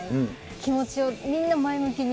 気持ちをみんな前向きに。